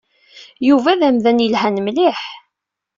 Yuba d amdan yelhan mliḥ.